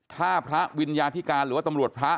ถ้าพระวิญญาธิการหรือว่าตำรวจพระ